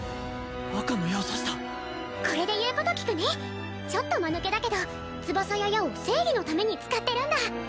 赤の矢を刺したこれで言うこと聞くねちょっとマヌケだけど翼や矢を正義のために使ってるんだ